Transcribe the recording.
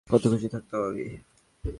কতো খুশিতে থাকতাম আমি!